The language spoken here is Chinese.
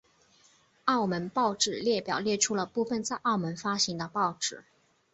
澳门报纸列表列出了部分在澳门发行的报纸。